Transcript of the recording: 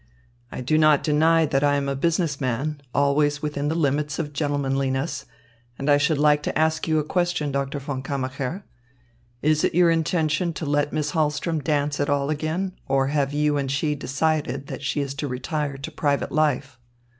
"I do not deny that I am a business man always within the limits of gentlemanliness and I should like to ask you a question, Doctor von Kammacher. Is it your intention to let Miss Hahlström dance at all again, or have you and she decided that she is to retire to private life?"